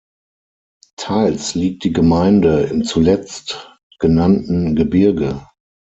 Teils liegt die Gemeinde im zuletzt genannten Gebirge.